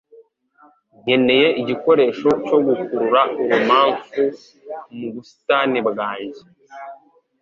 Nkeneye igikoresho cyo gukurura urumamfu mu busitani bwanjye